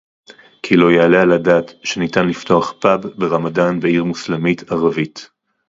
כי לא יעלה על הדעת שניתן לפתוח פאב ברמדאן בעיר מוסלמית ערבית